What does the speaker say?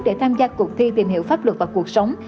để tham gia cuộc thi tìm hiểu pháp luật và cuộc sống